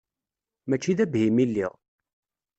Mačči d abhim i lliɣ.